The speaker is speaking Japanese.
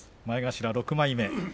前頭６枚目。